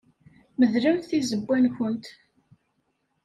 Medlemt tizewwa-nwent.